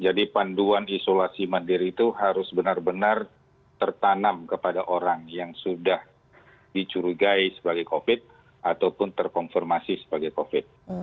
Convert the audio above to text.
jadi panduan isolasi mandiri itu harus benar benar tertanam kepada orang yang sudah dicurigai sebagai covid sembilan belas ataupun terkonfirmasi sebagai covid sembilan belas